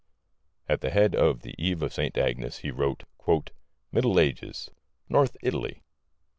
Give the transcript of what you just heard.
At the head of The Eve of St. Agnes he wrote: "Middle Ages. N. Italy.